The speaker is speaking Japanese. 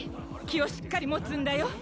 気をしっかり持つんだよ。